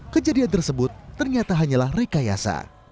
kejadian tersebut ternyata hanyalah rekayasa